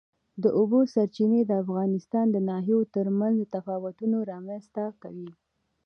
د اوبو سرچینې د افغانستان د ناحیو ترمنځ تفاوتونه رامنځ ته کوي.